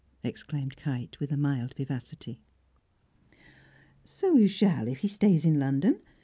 exclaimed Kite, with a mild vivacity. "So you shall, if he stays in London.